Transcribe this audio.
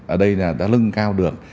ở đây là đã lưng cao được